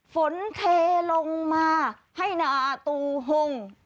ฝนเทลงมาให้นาตูหง